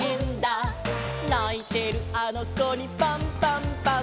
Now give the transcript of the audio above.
「ないてるあのこにパンパンパン！！」